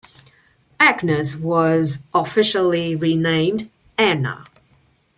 Agnes was officially renamed Anna.